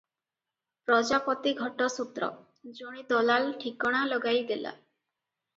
ପ୍ରଜାପତି ଘଟସୂତ୍ର, ଜଣେ ଦଲାଲ ଠିକଣା ଲଗାଇ ଦେଲା ।